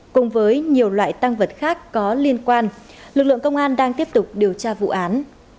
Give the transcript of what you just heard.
cùng với nhiều loại tăng vật khác có liên quan lực lượng công an đang tiếp tục điều tra vụ án